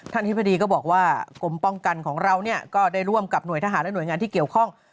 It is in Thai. อธิบดีก็บอกว่ากรมป้องกันของเราเนี่ยก็ได้ร่วมกับหน่วยทหารและหน่วยงานที่เกี่ยวข้อง